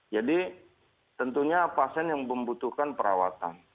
jadi tentunya pasien yang membutuhkan perawatan